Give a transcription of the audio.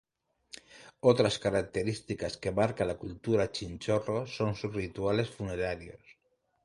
Otras características que marca la cultura Chinchorro son sus rituales funerarios.